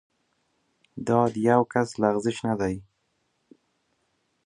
دا د یوه کس لغزش نه دی.